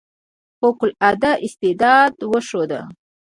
فوق العاده استعداد وښود.